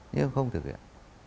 nhưng không thực hiện